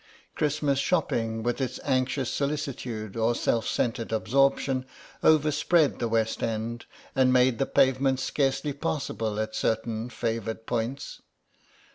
Christmas shopping, with its anxious solicitude or self centred absorption, overspread the West End and made the pavements scarcely passable at certain favoured points.